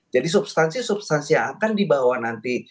jadi substansi substansi yang akan dibawa nanti